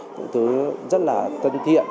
những thứ rất là tân thiện